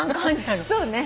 そうね。